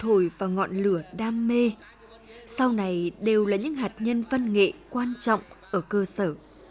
những lời hỏi và ngọn lửa đam mê sau này đều là những hạt nhân văn nghệ quan trọng ở cơ sở